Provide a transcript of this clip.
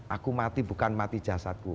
aku mati bukan mati jasadku